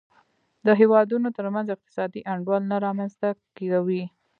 د هېوادونو ترمنځ اقتصادي انډول نه رامنځته کوي.